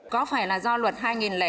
có phải là do luật hai nghìn năm chúng ta